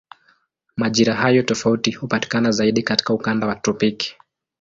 Majira hayo tofauti hupatikana zaidi katika ukanda wa tropiki.